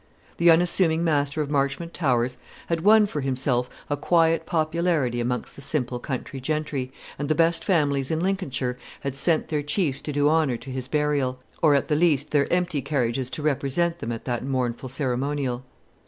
The unassuming master of Marchmont Towers had won for himself a quiet popularity amongst the simple country gentry, and the best families in Lincolnshire had sent their chiefs to do honour to his burial, or at the least their empty carriages to represent them at that mournful ceremonial.